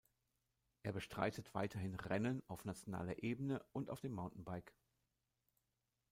Er bestreitet weiterhin Rennen auf nationaler Ebene und auf dem Mountainbike.